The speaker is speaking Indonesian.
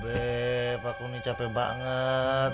eh pak kuni capek banget